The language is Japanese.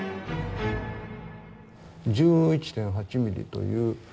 １１．８ミリという。